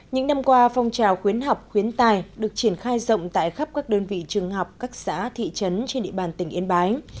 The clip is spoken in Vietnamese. những năm qua phong trào khuyến học khuyến tài được triển khai rộng tại khắp các đơn vị trường học các xã thị trấn trên địa bàn tỉnh yên bái